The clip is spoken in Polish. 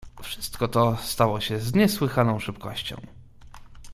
"Wszystko to stało się z niesłychaną szybkością."